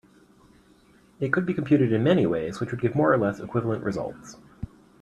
It could be computed in many ways which would give more or less equivalent results.